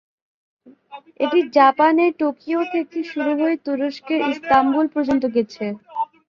এটি জাপান এর টোকিও থেকে শুরু হয়ে তুরস্কের ইস্তাম্বুল পর্যন্ত গেছে।